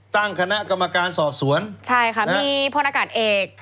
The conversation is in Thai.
ตั้งคณะกรรมการสอบสวนใช่ค่ะมีพลอากาศเอก